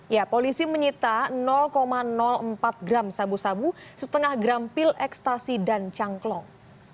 ya polisi menyita empat gram sabu sabu setengah gram pil ekstasi dan cangklong